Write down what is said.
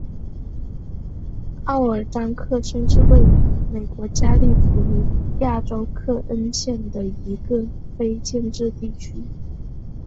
奥尔章克申是位于美国加利福尼亚州克恩县的一个非建制地区。